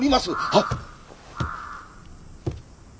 はっ。